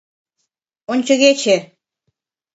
— Ончыгече.